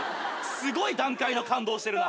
すごい段階の感動してるな。